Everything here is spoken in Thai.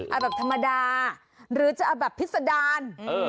เอาแบบธรรมดาหรือจะเอาแบบพิษดาร